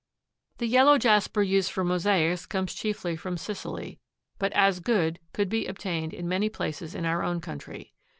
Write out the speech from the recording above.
The yellow jasper used for mosaics comes chiefly from Sicily, but as good could be obtained in many places in our own country.